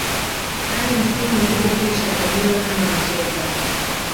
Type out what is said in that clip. hadi msimu ulipokwisha akajiweka kando na soka